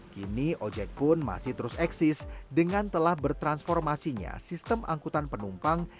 kini ojek pun masih terus eksis dengan telah bertransformasinya sistem angkutan penumpang